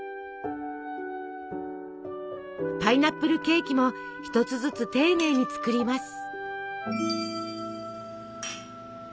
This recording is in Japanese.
パイナップルケーキも一つずつ丁寧に作ります。